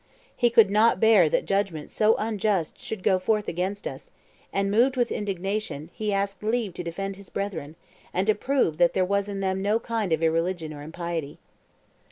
He could not bear that judgment so unjust should go forth against us, and, moved with indignation, he asked leave to defend his brethren, and to prove that there was in them no kind of irreligion or impiety.